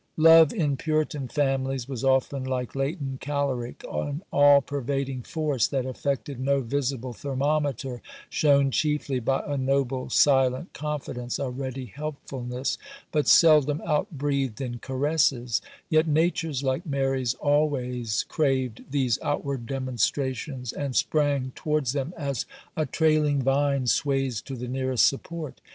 Love in Puritan families was often like latent caloric,—an all pervading force that affected no visible thermometer, shown chiefly by a noble, silent confidence, a ready helpfulness, but seldom out breathed in caresses,—yet natures like Mary's always craved these outward demonstrations, and sprang towards them as a trailing vine sways to the nearest support.